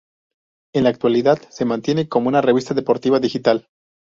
En la actualidad, se mantiene como una revista deportiva digital.